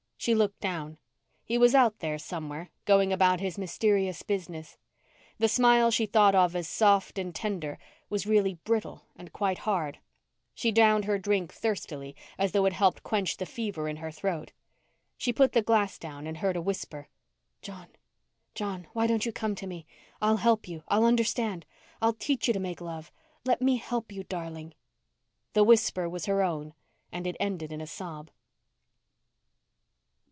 She looked down. He was out there somewhere, going about his mysterious business. The smile she thought of as soft and tender was really brittle and quite hard. She downed her drink thirstily as though it helped quench the fever in her throat. She put the glass down and heard a whisper: "John, John, why don't you come to me? I'll help you. I'll understand. I'll teach you to make love. Let me help you, darling." The whisper was her own and it ended in a sob.